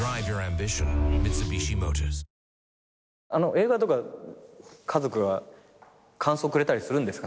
映画とか家族は感想くれたりするんですか？